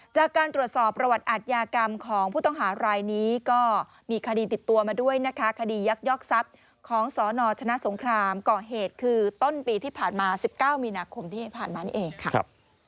จากการตรวจสอบประวัติอาทยากรรมของผู้ต้องหารายนี้ก็มีคดีติดตัวมาด้วยนะคะคดียักยอกทรัพย์ของสนชนะสงครามก่อเหตุคือต้นปีที่ผ่านมา๑๙มีนาคมที่ผ่านมานี่เองค่ะ